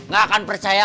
gak akan percaya